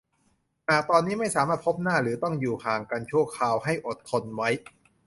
หากตอนนี้ไม่สามารถพบหน้าหรือต้องอยู่ห่างกันชั่วคราวให้อดทนไว้